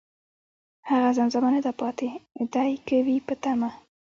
هغه زمزمه نه ده پاتې، ،دی که وي په تمه